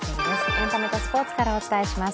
エンタメとスポーツからお伝えします。